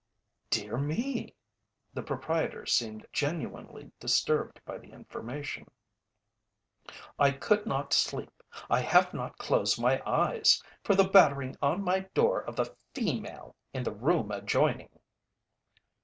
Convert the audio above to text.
"Dear me!" The proprietor seemed genuinely disturbed by the information. "I could not sleep I have not closed my eyes for the battering on my door of the female in the room adjoining!"